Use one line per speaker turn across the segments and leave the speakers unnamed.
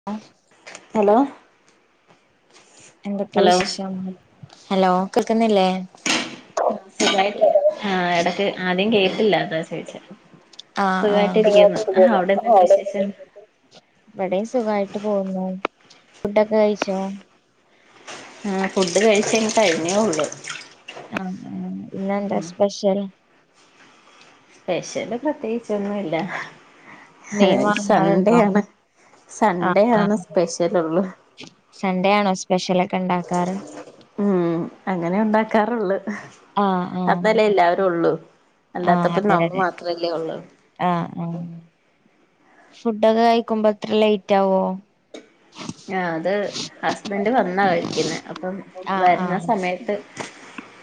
[inaudible]
Hello
എന്തൊക്കെയാ
hello
വിശേഷം hello കേൾക്കുന്നില്ലേ
ആഹ് ഇടക്ക് ആദ്യം കേട്ടില്ല അതാ ചോദിച്ച
ആഹ് ആഹ്
അവിടെ എന്തുണ്ട് വിശേഷം
ഇവിടെം സുഖായിട്ട് പോകുന്നു ഫുഡൊക്കെ കഴിച്ചോ
ആഹ് ഫുഡ് കഴിച്ച് കഴിഞ്ഞേള്ളൂ
ആഹ് ആഹ് ഇന്നെന്താ സ്പെഷ്യൽ
സ്പ്പെഷ്യല് പ്രത്യേകിച്ചൊന്നുംല്ല
മീൻ
ആഹ് സൺഡേ
വാങ്ങാറുണ്ടോ
ആണ്
ആഹ്
സൺഡേ ആണ്
ആഹ്
സ്പെഷ്യൽ ഉള്ള്
സൺഡേ ആണോ സ്പെഷ്യല് ഒക്കെ ഉണ്ടാക്കാറ്
ഉം അങ്ങനെ ഉണ്ടാക്കാറുള്ള
ആഹ് ആഹ്
അന്നല്ലേ എല്ലാവരും ഉള്ളു
ആഹ് അതെ അതെ ആഹ് ആഹ് ഫുഡൊക്കെ കഴിക്കുമ്പോ അത്ര ലേറ്റ് ആവോ
ആഹ് അത് ഹസ്ബൻഡ് വന്നാ കഴിക്കുന്ന അപ്പം
ആഹ്
വരുന്ന
ആഹ്
സമയത്ത്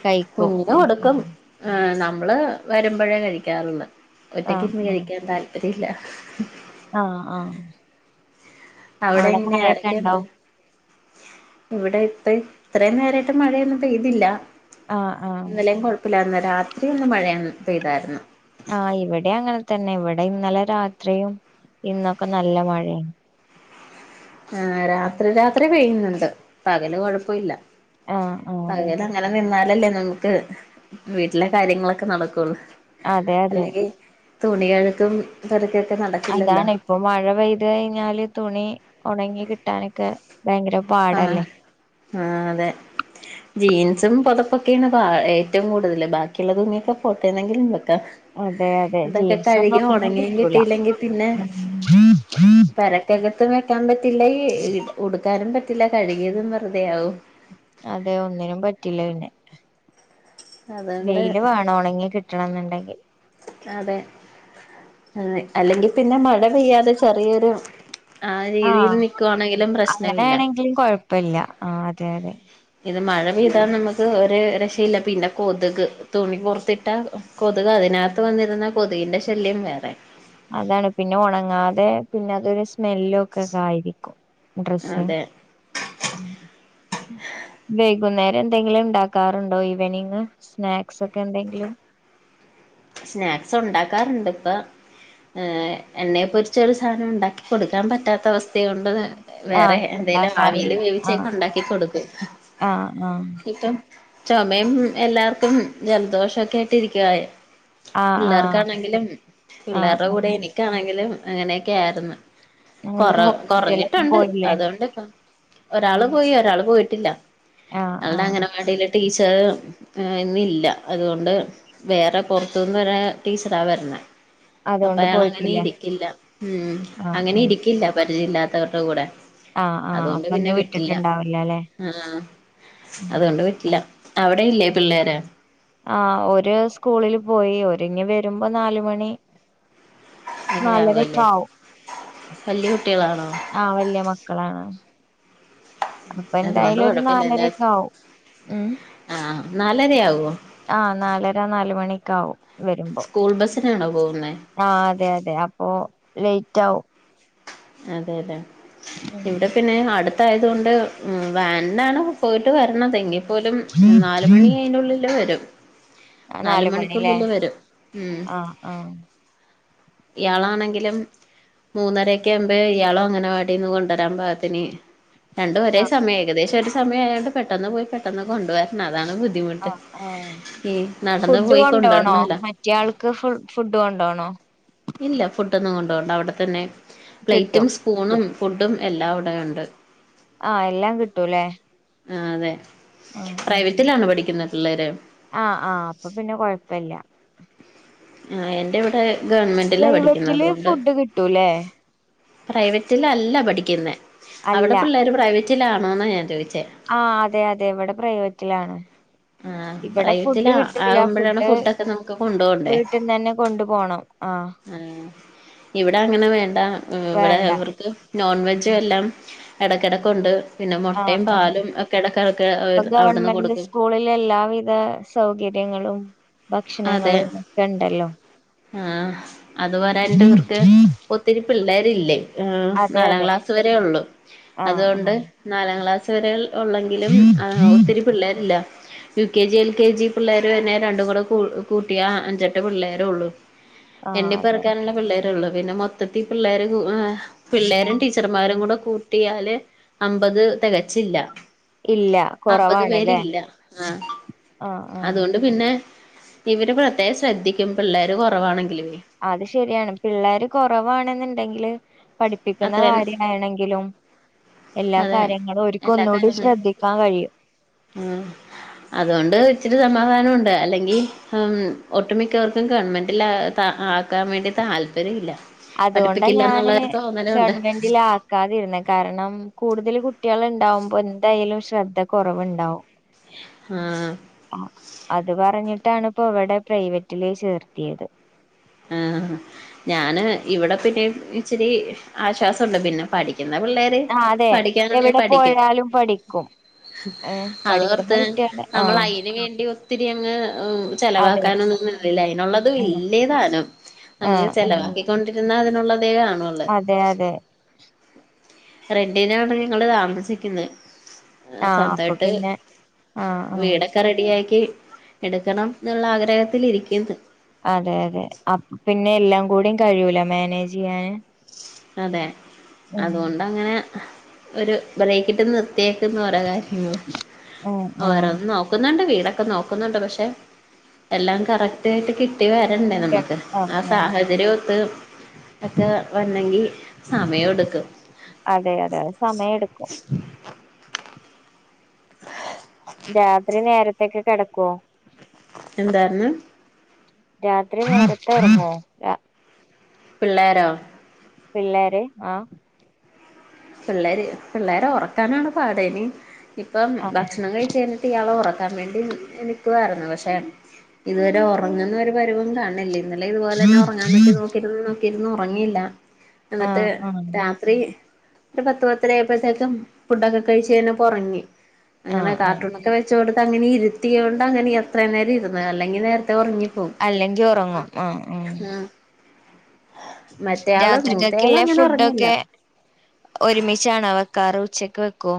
കഴിക്കും
കുഞ്ഞിന് കൊടുക്കും ആഹ് നമ്മള് വരുമ്പോഴേ കഴിക്കാറുള്ള
ആഹ്
ഒറ്റക്കിരുന്ന്
ആഹ്
കഴിക്കാൻ താല്പര്യല്ല
ആഹ് ആഹ്
അവിടെ എങ്ങനെ
മഴയൊക്കെ ഉണ്ടോ
ആരൊക്കെയുണ്ട് ഇവിടെ ഇപ്പ ഇത്രയും നേരായിട്ട് മഴയൊന്നും പെയ്തില്ല
ആഹ് ആഹ്
ഇന്നലും കൊഴപ്പില്ലന്ന് രാത്രി ഒന്ന് മഴന്ന് പെയ്തായിരുന്നു
ആഹ് ഇവിടെ അങ്ങനെ തന്നെ ഇവിടെ ഇന്നലെ രാത്രിയും ഇന്നൊക്കെ നല്ല മഴയാണ്
ആഹ് രാത്രി രാത്രി പെയ്യുന്നുത് പകല് കൊഴപ്പല്ല
ആഹ് ആഹ്
അങ്ങനെ നിന്നാലല്ലേ നമുക്ക് വീട്ടിലെ കാര്യങ്ങളൊക്കെ നടക്കുള്ളൂ
അതെ അതെ
അല്ലെങ്കിൽ തുണികഴക്കും പറക്കൊ
അതാണ് ഇപ്പൊ മഴ പെയ്ത് കഴിഞ്ഞാല് തുണി ഉണങ്ങി കിട്ടാനൊക്കെ ഭയങ്കര
ആഹ്
പാടല്ലേ
ആഹ് അതെ ജീൻസും പുതപ്പൊക്കെയാണ് ഏറ്റവും കൂടുതല് ബാക്കിയുള്ള തൂങ്ങിയൊക്കെ പോട്ടേന്തെങ്കിലും വെക്കാ
അതെ അതെ
ഇതൊക്കെ
ജീൻസ് ഒന്നും
കഴുകി
ഒണങ്ങി
ഉണങ്ങയും
കിട്ടൂല
കിട്ടിയില്ലെങ്കിൽ പിന്നെ
ഉം
പര റ്റകത്തും വെക്കാൻ പറ്റില്ല ഈ ഉടുക്കാനും പറ്റില്ല കഴുകിയതും വെറുതെ ആവും
അതെ ഒന്നിനും പറ്റില്ല പിന്നെ
അതുകൊണ്ട്
വെയിയില് വേണം ഉണങ്ങി കിട്ടണ എന്നുണ്ടെങ്കിൽ
അതെ അല്ലെങ്കിൽ പിന്നെ മഴ പെയ്യാതെ ചെറിയൊരു ആ രീതിയിൽ നിക്കുവാണെങ്കിലും പ്രശ്നമില്ല
[unintelligible] ഇപ്പല്ല ആഹ് അതെ അതെ
ഇത് മഴ പെയ്ത നമ്മക്ക്- ഇത്‌ ഒരു രക്ഷയില്ല പിന്നെ കൊതുക് തുണി പൊറത്തിട്ട കൊതുക് അതിനകത്ത്- അകത്ത് വന്നിരുന്ന കൊതുകിന്റെ ശല്യം വേറെ
അതാണ് പിന്നെ ഒണങ്ങാതെ പിന്നെ അതൊരു സ്മെല്ലും- ഒക്കെ ആയിരിക്കും ഡ്രസ്-
അതെ
വൈകുന്നേരം എന്തെങ്കിലും ഇണ്ടാക്കാറുണ്ടോ ഈവനിങ് സ്നാക്സ് ഒക്കെ എന്തെങ്കിലും-
സ്നാക്സ് ഒണ്ടാക്കാറുണ്ട് ഇപ്പൊ- എണ്ണയെ പൊരിച്ച് ഒരു സാധനം ഉണ്ടാക്കി കൊടുക്കാൻ പറ്റാത്ത അവസ്ഥ കൊണ്ട് - വേറെ
ആഹ്
എന്തേലും
ഉണ്ടാക്കാറില്ല
ആവിൽ
ആഹ്
വേവിച്ചൊക്കെ ഒണ്ടാക്കി കൊടുക്കും
ആഹ് ആഹ്
ഇപ്പം- ചൊമയും എല്ലാർക്കും ജലദോഷംക്കെയായിട്ട് ഇരിക്കുവ-
ആഹ് ആഹ്
പിള്ളേർക്കാണെങ്കിലും
ആഹ്
പിള്ളേരുടെ
ആഹ്
കൂടെ എനിക്കാണെങ്കിലും അങ്ങനെയൊക്കെ ആയിരുന്നു കൊറ
എന്നിട്ട് ഹോസ്പിറ്റലിലൊക്കെ
കൊറഞ്ഞിട്ടുണ്ട്
പോയില്ലേ
അതുകൊണ്ട്- ഒരാള് പോയി ഒരാള് പോയിട്ടില്ല
ആഹ്
അവളുടെ
ആഹ്
അംഗനവാടിയില് - ടീച്ചർഇന്ന് ഇല്ല അതുകൊണ്ട് വേറെ പൊറത്തി - ത്തുന്നൊരു ടീച്ചറാ വരുന്നേ അപ്പ
അതുകൊണ്ട്
അയാള് അങ്ങനെ
പോയിട്ടില്ല
ഇരിക്കില്ല ഉം
ആഹ്
അങ്ങനെ
ആഹ്
ഇരിക്കില്ല പരിചയ ഇല്ലാത്തവരുടെ കൂടെ
ആഹ് ആഹ്
അതുകൊണ്ട്
അപ്പൊ
പിന്നെ
ഇന്ന്
വിട്ടില്ല
വിട്ടിട്ടുണ്ടാവില്ല അല്ലെ
ആഹ്
ഉം
അതുകൊണ്ട് വിട്ടില്ല അവിടെയില്ലേ പിള്ളേര്-
ആഹ് ഒരു സ്കൂളില് പോയി ഒരുങ്ങി വരുമ്പോ നാല് മണി
അതയാവ [unintelligible]
നാലരൊക്കെ
ല്ലേ
ആവും
വല് കുട്ടികളാണോ
ആഹ് വല്ലിയ മക്കളാണ് അപ്പൊ
അതുകൊണ്ട്
എന്തായാലും ഒരു
കുഴപ്പമില്ലല്ലേ
നാലരയൊക്കെ ആകും ഉം
ആഹ് നാലരയാവുമോ
ആ നാലര നാല് മണിയെക്കെ ആവും വരുമ്പോ
സ്കൂൾ ബസിനാണോ പോകുന്നേ
ആഹ് അതെ അതെ അപ്പൊ ലേറ്റ് ആകും
അതെ അതെ ഇവിടെ പിന്നെ അടുത്ത- ആയതുകൊണ്ട് ഉം വാനിന്നാണ് പോയിട്ട് വരണതെങ്കിൽ- പോലും നാലുമണി അയിതിനുള്ളിൽ വരും
ആ
നാല്
മണില്ലേ
മണിക്കൂള്ളിൽ വരും ഉം
ആഹ് ആഹ്
ഇയാളാണെങ്കിലും മൂന്നര- ഇപ ഇയാളും അങ്ങനവാടിന്ന് കൊണ്ടുവരാൻ പാകത്തിന്- രണ്ടും ഒരേ സമയം ഏകദേശം ഒരു സമയയായൊണ്ട് പെട്ടെന്ന് പോയി പെട്ടെന്ന് കൊണ്ടുവരണം അതാണ് ബുദ്ധി
ആഹ് ആഹ് ഫുഡ്
പോയി
കൊണ്ടോണോ
കൊണ്ടുവരണല്ലോ
മറ്റേയാൾക്ക് ഫുഡ് കൊണ്ടോണോ-
ഇല്ല ഫുഡൊന്നും കൊണ്ട്പോണ്ട അവിടെത്തന്നെ
കിട്ടും
പ്ലേറ്റും സ്പൂണും ഫുഡും എല്ലാം അവിടെ ഉണ്ട്
ആഹ് എല്ലാം കിട്ടൂല്ലേ
ആഹ് അതെ
ഉം ഉം
പ്രൈവറ്റിലാണ് പഠിക്കുന്നത് പിള്ളേര്
ആഹ് ആഹ് അപ്പൊ പിന്നെ കൊഴപ്പില്ല
ആഹ് എന്റെ ഇവിടെ ഗവൺമെന്റില പഠിക്കുന്നത്
പ്രൈവറ്റില്
അതുകൊണ്ട്-
ഫുഡ് കിട്ടൂലേ
പ്രൈവറ്റിലല്ല പഠിക്കുന്നെ
അല്ല
അവിടെ പിള്ളേര് പ്രൈവറ്റിലാണോെന്നാ ഞാൻ ചോദിച്ചേ
ആഹ് അതെ അതെ ഇവിടെ പ്രൈവറ്റിലാണ്
ആ
ഇവിടെ ഫുഡ്
പ്രൈവറ്റിലാ
കിട്ടൂല്ല
ആകുമ്പോഴാണ്
ഫുഡ്
ഫുഡൊക്കെ നമുക്ക് കൊണ്ടു
വീട്ടിന്ന് തന്നെ കൊണ്ടു പോണം ആഹ്
ആഹ് ഇവിടെ അങ്ങനെ വേണ്ട ഇവിടെ
വേണ്ട
ഇവർക്ക് നോൺ വെജും എല്ലാം- ഇടയ്ക്കെടക്കണ്ട് പിന്നെ
ആഹ്
മൊട്ടയും
ആഹ്
പാലും ഒക്കെ ഇടക്കയെടക്ക് അവിടുന്ന് കൊടുക്കും
സ്കൂളിലല് എല്ലാവിധ സൗകര്യങ്ങളും
അതെ
ഭക്ഷണങ്ങളുംയൊക്കെ ഉണ്ടല്ലോ
ആഹ് അത് പോരാഞ്ഞിട്ട് ഇർക്ക് ഒ - ഒത്തിരി പിള്ളേരില്ലേ
അതെ
നാലാം
അതെ
ക്ലാസ് വരെ ഒള്ളു
ആഹ്
അതുകൊണ്ട്
ആഹ്
നാലാം ക്ലാസ്- [unintelligible] ഉള്ളെങ്കിലും ഒത്തിരി- പിള്ളേരില്ല U K G L K G പിള്ളേര് തന്നെ രണ്ടും കൂടെ- കൂട്ടിയ അഞ്ചെട്ട് പിള്ളേര് ഉള്ളൂ
ആഹ്
എണ്ണി
അതെ
പെറ്ക്കാനുള്ള പിള്ളേര് ള്ളൂ പിന്നെ മൊത്തത്തിഈ പിള്ളേർ പിള്ളേരും ടീച്ചർമാരും കൂടെ കൂട്ടിയാല് അമ്പത് തികച്ചില്ല
ഇല്ല
അമ്പത്
കുറവാണ്ല്ലേ
പേരില്ല ആഹ
ആഹ് ആഹ്
അതുകൊണ്ട് പിന്നെ ഇവര് പ്രത്യേകം ശ്രദ്ധിക്കും പിള്ളേർ കുറവാണെങ്കിലേ
അത് ശരിയാണ് പിള്ളേര് കുറവാണെന്നുണ്ടെങ്കില് പഠിപ്പിക്കുന്ന
അത്രയും
കാര്യയാണെങ്കിലും എല്ലാ
അതെ
കാര്യങ്ങളും ഒരിക്കും ഒന്നുകൂടി
ഉം
ശ്രദ്ധിക്കാൻ കഴിയും
ഉം അതുകൊണ്ട് ഇച്ചിരി സമാധാനം ഉണ്ട് അല്ലെങ്കി ഒട്ടുമിക്കവർക്കും ഗവൺമെന്റൽ ആക്കാൻ വേണ്ടി താല്പര്യം ഇല്ല
അതുകൊണ്ട
പഠിപ്പിക്കില്ല
ഞാന്
എന്നുള്ളൊരു തോന്നലുണ്ട്
ഗവൺമെന്റിൽ ആ ക്കാതിരുന്ന കാരണം കൂടുതൽ കുട്ടികൾ ഉണ്ടാവുമ്പോ എന്തായാലും ശ്രദ്ധ കുറവുണ്ടാവും
ആഹ്
അത് പറഞ്ഞിട്ടാണ് ഇപ്പോ ഇവിടെ പ്രൈവറ്റില് ചേർത്തിയത്
ആഹ് ഞൻ ഇവിടെ പിന്നെ ഇച്ചിരി ആശ്വാസമുണ്ട് പിന്നെ പഠിക്കുന്ന പിള്ളേര്
ആ അതെ
പഠിക്കാനുണ്ടെ
എവിടെ
പഠിക്കും
പോയാലും പഠിക്കും ഏ പഠിക്കുന്ന
അതോർത്ത്
കുട്ടികള് ആ
നമ്മൾ അയിന് വേണ്ടി ഒത്തിരി അങ്ങ്
അതെ
ചെലവാക്കാനൊന്നും നിന്നില്ല അതിനുള്ളത് ഇല്ലേതാനും
ആ ആ
നമുക്ക് ചെിലവാക്കിക്കൊണ്ടിരുന്ന അതിനുള്ള തേ കാണല്ലോ
അതെ അതെ
റെന്റിനാണ് ഞങ്ങള് താമസിക്കുന്നത്
ആ അപ്പൊ
സ്വന്തായിട്ട്
പിന്നെ ആ ആ
വീട ക്ക റെഡിയാക്കി എടുക്കണം എന്നുള്ള ആഗ്രഹത്തിരിക്കുന്നു
അതെ അതെ അ പിന്നെ എല്ലാം കൂടും കഴിയൂല മാനേജ് ചെയ്യാന്
അതെ
ഉം
അതുകൊണ്ടങ്ങനെ ഒരു ബ്രേക്കിട്ട് നി ന്ന്റെ കാര്യങ്ങ
ആ ആ
ഓരോന്ന് നോക്ക നോുന്നുണ്ട് വീടൊക്കെ നോക്കുന്നുണ്ട് പക്ഷെ എല്ലാം കറക്റ്റ് കട്ട് കിട്ടി വരണ്ടേ നമുക്ക് ആ സാഹചര്യ ഒത്ത് ഒക്കെ ണങ്കിൽ സമയം എടുക്കും
അതെ അതെ അതെ സമയം എടുക്കും രാത്രി നേരത്തെ ഒക്കെ കിടക്കുവോ
എന്തായിരുന്ന്
രാത്രി നേരത്തെ ഉറങ്ങോ
പിള്ളേരോ
പിള്ളോര് ആഹ്
പിള്ളേര് പിള്ളേരെ ഉറക്കാനാണ് പാട് നി ഇപ്പം
ആ
ഭക്ഷണം കഴിച്ചേന് ഇയാളെ ഉറക്കാൻ വേണ്ടി നിൽക്കുവായിരുന്നു പക്ഷേ ഇതുവരെ ഉറങ്ങുന്ന ഒരു പരിവും കാണ്ണില്ലേ ഇന്നലെ ഇതുപോലെ തന്നെ ഉറങ്ങാൻ പറ്റി നോക്കി നോക്കിയിരുന്നു ഉറങ്ങയില്ല.
ആ
എന്നിട്ട് രാത്രി ഒരു പത്ത് പത്തരയ്പഴത്തേക്കും ഫുഡൊക്കെ കഴിച്ചന്നെ പുറങ്ങി
ആ ആ
അങ്ങനെ
ആ
കാർട്ടൂൺ ഒക്കെ വെ ച്ച കൊടുത്ത് അങ്ങനെ ഇരുത്തിയ കൊണ്ട് അങ്ങനെ എത്ര നേരം ഇരന്ന് അല്ലെങ്കിൽ നേരത്തെ ഉറങ്ങി പോവും
അല്ലെങ്കി ഒറങ്ങും ആഹ് ഉം
ആ മറ്റയാള് മൂത്തയാള്
രാത്രിക്കക്കില്ലെ
അങ്ങനെ ഒറങ്ങില്ല
ഫുഡൊക്കെ ഒരുമിച്ചാണോ വെക്കാറ് ഉച്ചക്ക് വെക്കോ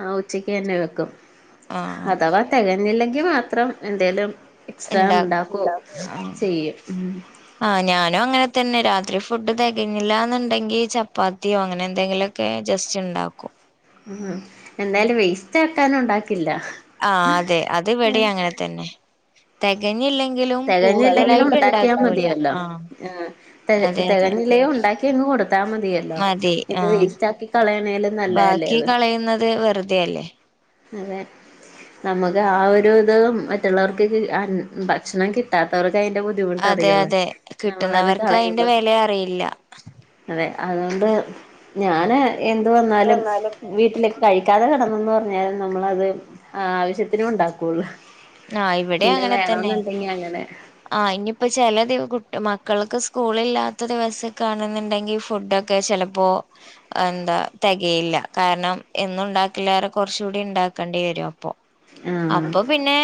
ആ ഉച്ചക്ക് അന്നെ വെക്കും
ആഹ്
അഥവാ തികഞ്ഞില്ലെങ്കിൽ മാത്രം എന്തേലും എക്സ്ട്രാ
ഇണ്ടാക്കും
ഉണ്ടാകും ചെയ്യും
ആഹ ഞാനും അങ്ങനെ തന്നെ രാത്രി ഫുഡ് തികഞ്ഞില്ലാന്നുണ്ടെങ്കി ചപ്പാത്തിയോ അങ്ങനെ എന്തെങ്കിലും ഒക്കെ ജസ്റ്റ് ഉണ്ടാക്കും.
ഉ എന്തായാലും വേസ്റ്റ് ആട്ടാനും ഉണ്ടാക്കില്ല.
ആ അതെ അത് ഇവടെ അങ്ങനെ തന്നെ തികഞ്ഞില്ലേ ഞ്ഞില്ലെങ്കിലും
തികഞ്ഞില്ലെങ്കിലും
കൂടുതലായിട്ട്
ഉണ്ടാക്കിയാ
ഉണ്ടാക്കൂല്ല
മതിയല്ലോ
ആ
ആഹ് തി
അതെ അതെ.
തികഞ്ഞില്ലേ ഉണ്ടാക്കി അങ്ങ് കൊടുത്താ മതിയല്ലോ
മതി
ഇത്
ആഹ
വേസ്റ്റ് ആക്കി കളയണേലും നല്ലതല്ലേ
ബാക്കി
അത്
കളയുന്നത് വെറുതെ. തെല്ലേ.
അതെ നമുക്ക് ആ ഒരു ഇത് മറ്റുള്ളവർക്ക്. ഭക്ഷണം കിട്ടാത്തവർക്ക് അതിന്റെ ബുദ്ധിമുട്ട് അറി
അതെ
യൊള്ളെ
അതെ
നമ്മളത്
കിട്ടുന്നവർക്ക്
കളയുമ്പ.
അയിന്റെ വെല അറിയില്ല
അതെ അതോണ്ട് ഞാന് എന്ത് വന്നാലും.
എന്നാലും
വീട്ടിലേക്ക് കഴിക്കാതെ കിടന്നന്ന് പറഞ്ഞാലും നമ്മളത് ആവശ്യത്തിന് ഉണ്ടാക്കുള്ളു.
ആഹ ഇവിടെ അങ്ങനെ തന്നെ.
അങ്ങനെ.
ആ ഇനിയിപ്പോ ചില മക്കൾക്ക് സ്കൂള ഇില്ലാത്ത ദിവസം കാണുന്നുണ്ടെങ്കിൽ ഫുഡൊക്കെ. ഒക്കെ ചിലപ്പോ. എന്താ തികയില്ല കാരണം എന്നും ഉണ്ടാക്കിലേറെ കുറചൂടി ഉണ്ടാക്കേണ്ടി വരും അപ്പൊ.
ആഹ.
അപ്പൊ പിന്നെ.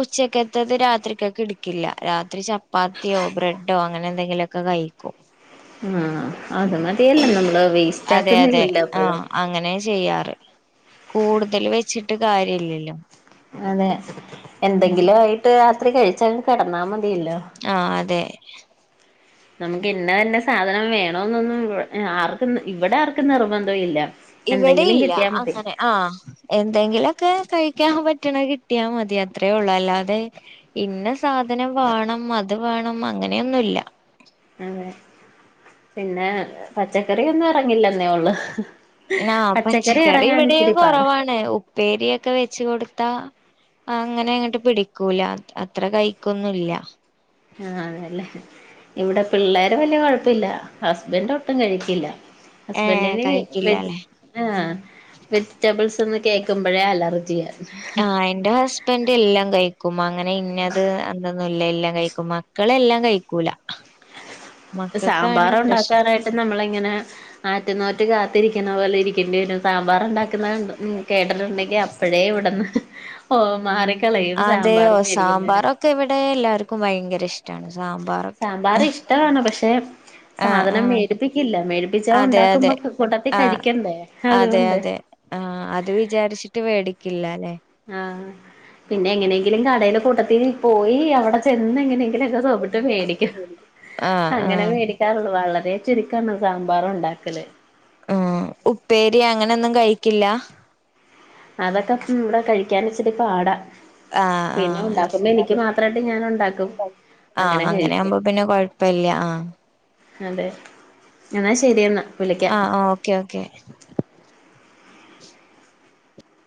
ഉച്ചക്കത്തത് രാത്രിക്കക് ഇടുക്കില്ല രാത്രി ചപ്പാത്തിയോ ബ്രെഡോ അങ്ങനെ എന്തെങ്കിലു ഒക്കെ കഴിക്കും.
ആ അത് മതിയല്ല നമ്മള് വേസ്റ്റ്
അതെ അതെ
ആക്കുന്നില്ലല്ലോ അപ്പോഴും.
ആഹ് അങ്ങനെ ചെയ്യാറ് കൂടുതൽ വെച്ചിട്ട് കാര്യ ഇല്ലല്ലോ.
അതെ എന്തെങ്കിലും ആയിട്ട് രാത്രി കഴിച്ചാ കിടന്നാ മതിയല്ലോ.
ആഹ അതെ.
നമുക്ക് ഇന്നെ തന്നെ സാധനം വേണ എന്നൊന്നും ആർക്കും ഇവിടെ ആർക്കും നിർബന്ധ ഇല്ല.
ഇവിടെ
എന്തെങ്കിലും
ഇല്ല
കിട്ടിയാ മതി
അങ്ങനെ. ആഹ എന്തെങ്കിലൊക്കെ കഴിക്കാൻ പറ്റണ കിട്ടിയാ മതി അത്രയേ ഒള്ളു അല്ലാതെ. ഇന്ന സാധനം വാണം അത് വേണം അങ്ങനെയൊന്നുല്ല.
അതെ പിന്നെ പച്ചക്കറിയൊന്നും ഇറങ്ങില്ലെന്നേ ഉള്ളു.
ആ പച്ചക്കറി
ഇറങ്ങാൻ
ഇവിടെയും
ഇച്ചിരി പാടാ
കുറവാണ് ഉപ്പേരിയൊക്കെ വെച് കൊടുത്താ. അങ്ങനെ അങ്ങിട്ട് പിടിക്കൂല അത്ര കഴിക്കൊന്നുംല്ല.
ആഹ അതല്ലേ. ഇവിടെ പിള്ളേര് വല്യ കുഴപ്പല്ല ഹസ്ബൻഡ് ഒട്ടും കഴികില്ല.
ഏ
ഹസ്ബൻന് വെജി
കഴിക്കില്ലല്ലേ
ആ വെജിറ്റബിൾസ് ന്ന് കേൾക്കുമ്പഴേ അലർജിയ. [inaudible]
ഇന്റെ ഹസ്ബന്റ് എല്ലാം കഴിക്കും അങ്ങനെ ഇന്നത് എന്തൊന്നുല്ലെ എല്ലാ കഴിക്കുമ ക്കളെല്ലാം കഴിക്കൂല മക്കൾക്കാണ്
സാമ്പാറ്
പ്രശ്നം
ഉണ്ടാക്കാനായിട്ട് നമ്മള്ങ്ങനെ ആറ്റ്നോറ്റ് കാത്തിരിക്കുന്നപോലെ ഇരിക്കണ്ടിവെരും സാമ്പാറ് ഉണ്ടാക്കുന്നെ കേട്ട്ട്ടുണ്ടെങ്കിൽ അപ്പഴേ ഇവ്ട്ന്ന് ഓ മാറി ക്കെളേത് സാമ്പാറും വേടിക്കുന്നേരം
ക്കെ ഇവ്ടെ എല്ലാര്ക്കും ഭയങ്കര ഇഷ്ടാണ് സാമ്പാറ്
സാമ്പാറ് ഇഷ്ടാണ് പക്ഷെ
ആഹ്
സാധനം
ആഹ്
മേടിപ്പിക്കില്ല മേടിപ്പിച്ച
അതെ അതെ
ഉണ്ടാക്കുമ്പോ കൂട്ടത്തി
ആഹ്
കഴിക്കണ്ടേ
അതെ
അതുകൊണ്ട്
അതെ ആഹ് അത് വിചാരിച്ചിട്ട് വേടിക്കില്ലാലെ
ആഹ് പിന്നെ എങ്ങനെങ്കിലും കടയില കൂട്ടത്തീ പോയി അവ്ടെ ചെന്ന്ങ്ങനെ പിന്നൊക്കെ സോപ്പിട്ട് മേടിക്കും
ആഹ്
അങ്ങനെ
ആഹ്
മേടി കാറൊള്ളു വളരെ ചുരുക്കാണ് സാമ്പാറ് ഉണ്ടാക്കല്.
അഹ്‌ ഉപ്പേരി അങ്ങനെൊന്നും കഴിക്കില്ല
അതൊക്കെ ഉം ഇവ്ടെ കഴിക്കാനിച്ചിരി പാടാ
ആഹ്
പിന്നെ
ആഹ്
ഉണ്ടാക്കുമ്പോ എനിക്ക് മാത്രയിട്ട് ഞാനുണ്ടാക്കും.
ആഹ് അങ്ങനെ ആവുമ്പ പിന്നെ കൊഴപ്പല്ല ആഹ്
അതെ എന്നാ ശരി എന്നാ
ആഹ് ഓക്കെ ഓക്കെ